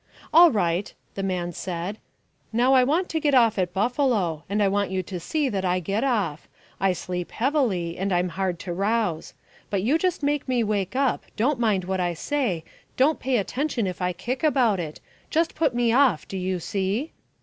"All right," the man said; "now I want to get off at Buffalo, and I want you to see that I get off. I sleep heavily and I'm hard to rouse. But you just make me wake up, don't mind what I say, don't pay attention if I kick about it, just put me off, do you see?"